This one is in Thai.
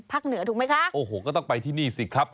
เหนือถูกไหมคะโอ้โหก็ต้องไปที่นี่สิครับ